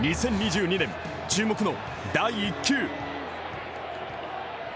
２０２２年、注目の第１球。